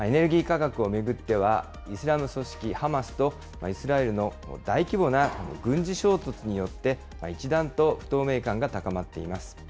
エネルギー価格を巡っては、イスラム組織ハマスとイスラエルの大規模な軍事衝突によって、一段と不透明感が高まっています。